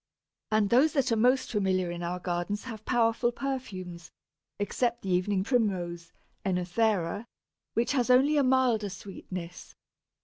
And those that are most familiar in our gardens have powerful perfumes, except the Evening Primrose (Oenothera), which has only a milder sweetness.